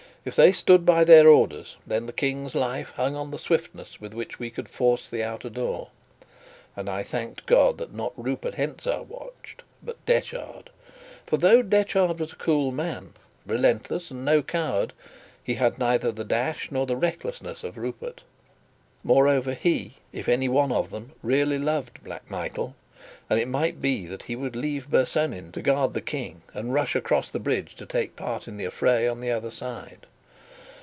If they stood by their orders, then the King's life hung on the swiftness with which we could force the outer door; and I thanked God that not Rupert Hentzau watched, but Detchard. For though Detchard was a cool man, relentless, and no coward, he had neither the dash nor the recklessness of Rupert. Moreover, he, if any one of them, really loved Black Michael, and it might be that he would leave Bersonin to guard the King, and rush across the bridge to take part in the affray on the other side.